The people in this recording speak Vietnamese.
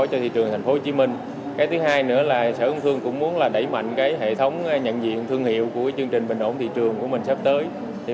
hệ thống nhận diện thương hiệu của chương trình bình ổn thị trường của mình sắp tới